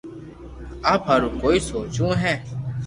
آپ ھارو ڪوئي سوچوو ھي